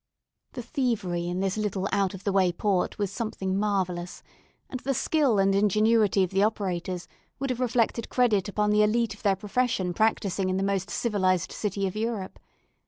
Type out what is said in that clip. The thievery in this little out of the way port was something marvellous; and the skill and ingenuity of the operators would have reflected credit upon the élite of their profession practising in the most civilized city of Europe.